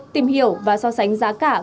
tìm hiểu và so sánh giá cả của các mặt hàng